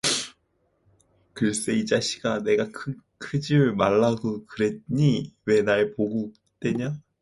"글쎄, 이자식아! 내가 크질 말라구 그랬니. 왜 날 보구 떼냐?"